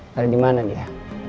dari di mana dia